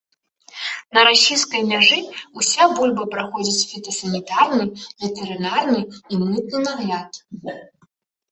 На расійскай мяжы ўся бульба праходзіць фітасанітарны, ветэрынарны і мытны нагляд.